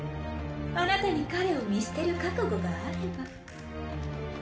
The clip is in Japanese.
あなたに彼を見捨てる覚悟があれば。